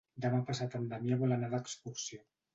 Demà passat en Damià vol anar d'excursió.